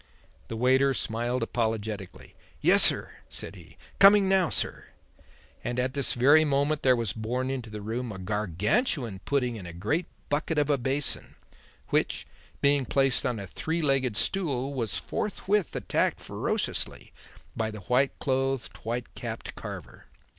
The waiter smiled apologetically. "Yessir!" said he. "Coming now, sir." And at this very moment there was borne into the room a Gargantuan pudding in a great bucket of a basin, which being placed on a three legged stool was forthwith attacked ferociously by the white clothed, white capped carver.